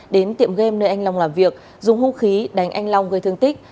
đến tiệm game nơi anh long làm việc dùng hung khí đánh anh long gây thương tích